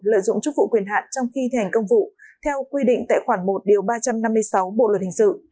lợi dụng chức vụ quyền hạn trong khi thành công vụ theo quy định tại khoản một ba trăm năm mươi sáu bộ luật hình sự